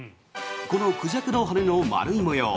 このクジャクの羽の丸い模様